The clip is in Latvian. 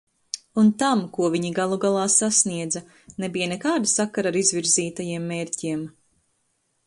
Un tam, ko viņi galu galā sasniedza, nebija nekāda sakara ar izvirzītajiem mērķiem.